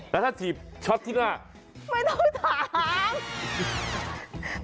แล้วถ้าถีบช็อตที่หน้าไม่ต้องถาม